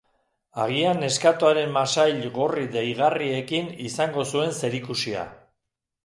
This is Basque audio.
Agian neskatoaren masail gorri deigarriekin izango zuen zerikusia.